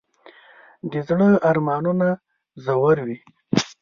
د زړه ارمانونه ژور وي.